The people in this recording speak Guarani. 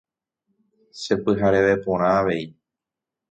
Chepyhareve porã avei.